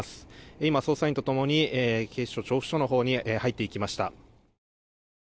今、捜査員と共に警視庁調布署のほうに入っていきました。